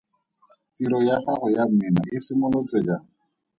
Tiro ya gago ya mmino e simolotse jang?